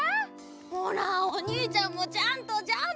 ほらおにいちゃんもちゃんとジャンプして！